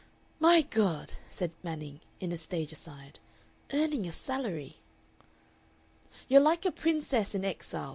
"My God!" said Manning, in a stage aside. "Earning a salary!" "You're like a Princess in Exile!"